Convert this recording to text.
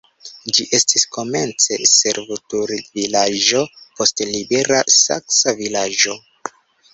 Ĝi estis komence servutulvilaĝo, poste libera saksa vilaĝo.